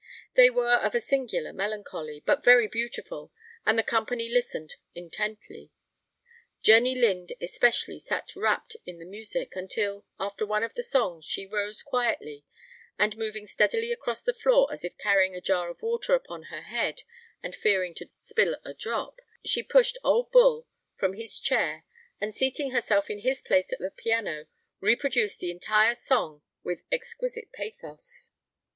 They were of a singular melancholy, but very beautiful, and the company listened intently. Jenny Lind especially sat rapt in the music, until, after one of the songs, she rose quietly, and moving steadily across the floor as if carrying a jar of water upon her head and fearing to spill a drop, she pushed Ole Bull from his chair, and seating herself in his place at the piano, reproduced the entire song with exquisite pathos.